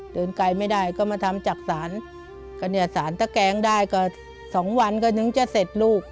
เดินไกลไม่ได้ก็มาทำจักษานก็เนี่ยสารตะแกงได้ก็สองวันก็ถึงจะเสร็จลูก